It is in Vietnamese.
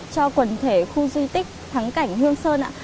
cho quần thể khu di tích thắng cảnh hương sơn ạ